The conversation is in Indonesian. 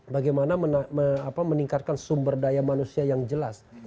bagaimana meningkatkan sumber daya manusia yang jelas